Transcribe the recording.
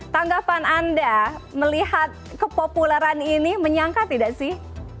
tanggapan anda melihat kepopuleran ini menyangka tidak sih